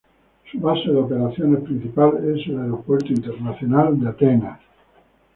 Su base de operaciones principal es el Aeropuerto Internacional de Atenas.